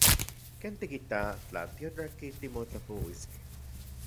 ¿Ken tikita tla tiotlatki timotlapouiskej?